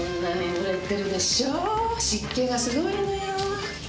湿気がすごいのよ。